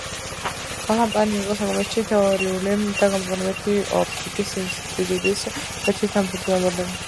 ლიპმანი იყო საფრანგეთში თეორიული და გამოყენებითი ოპტიკის ინსტიტუტის ერთ-ერთი დამფუძნებელი.